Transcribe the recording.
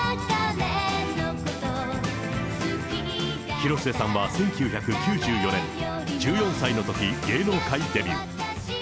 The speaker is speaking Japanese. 広末さんは１９９４年、１４歳のとき芸能界デビュー。